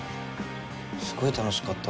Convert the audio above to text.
すごい楽しかった。